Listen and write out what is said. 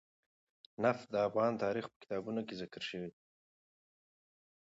نفت د افغان تاریخ په کتابونو کې ذکر شوی دي.